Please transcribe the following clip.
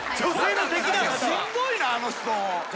しんどいなあの人。